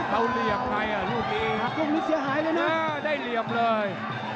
เอาเหลี่ยมไงอ่ะลูกนี้อ่าได้เหลี่ยมเลย